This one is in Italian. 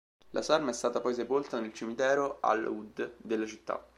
La salma è stata poi sepolta nel cimitero al-'Ud della città.